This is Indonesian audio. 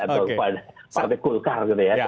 atau partai golkar gitu ya